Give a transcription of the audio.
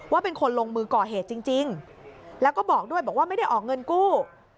เป็นคนลงมือก่อเหตุจริงแล้วก็บอกด้วยบอกว่าไม่ได้ออกเงินกู้